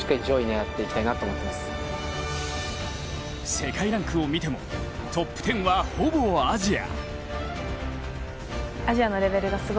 世界ランクを見ても、トップ１０はほぼアジア。